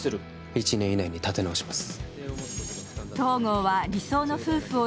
１年以内に立て直します。